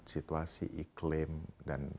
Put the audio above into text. situasi iklim dan